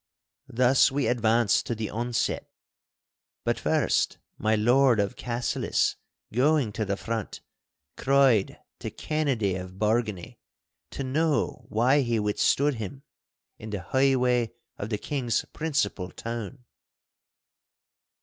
Thus we advanced to the onset. But first my Lord of Cassillis, going to the front, cried to Kennedy of Bargany to know why he withstood him in the highway of the King's principal town.